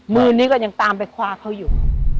มือนี้ก็ยังตามไปคว้าเขาอยู่